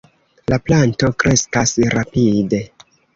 La planto kreskas rapide.